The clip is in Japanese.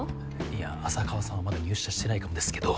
いや浅川さんはまだ入社してないかもですけど。